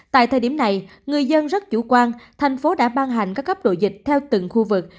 tại thời điểm này người dân rất chủ quan thành phố đã ban hành các cấp độ dịch theo từng khu vực